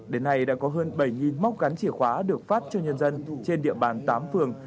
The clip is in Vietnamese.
đến nay đã có hơn bảy móc gắn chìa khóa được phát cho nhân dân trên địa bàn tám phường